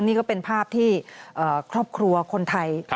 นี่ก็เป็นภาพที่ครอบครัวคนไทย